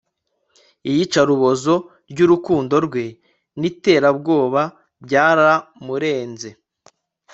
Iyicarubozo ryurukundo rwe niterabwoba byaramurenze